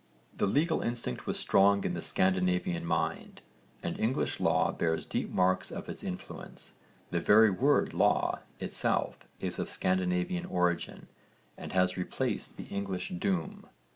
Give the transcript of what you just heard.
The legal instinct was strong in the Scandinavian mind and English law bears deep marks of its influence. The very word 'law' itself is of Scandinavian origin and has replaced the English 'doom.'